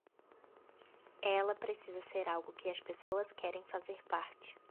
Ela precisa ser algo que as pessoas querem fazer parte.